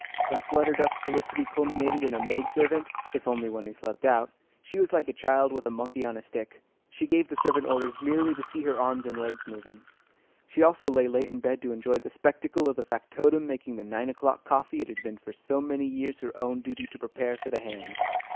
When Flutter Duck's felicity culminated in a maid servant (if only one who slept out), she was like a child with a monkey on a stick. She gave the servant orders merely to see her arms and legs moving. She also lay late in bed to enjoy the spectacle of the factotum making the nine o'clock coffee it had been for so many years her own duty to prepare for the "hands."